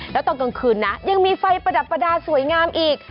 แล้วตอนกลางคืนนะยังมีไฟประดับประดาษสวยงามอีก